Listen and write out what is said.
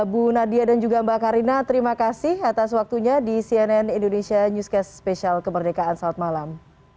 bu nadia dan juga mbak karina terima kasih atas waktunya di cnn indonesia newscast spesial kemerdekaan selamat malam